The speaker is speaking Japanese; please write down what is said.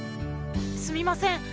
すみません